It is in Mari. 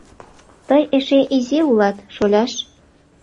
— Тый эше изи улат, шоляш.